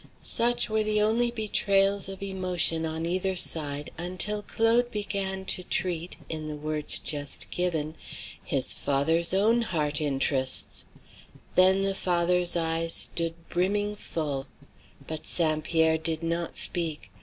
Such were the only betrayals of emotion on either side until Claude began to treat in the words just given his father's own heart interests; then the father's eyes stood brimming full. But St. Pierre did not speak.